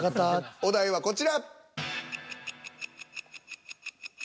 お題はこちら。